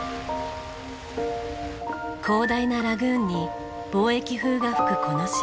広大なラグーンに貿易風が吹くこの島。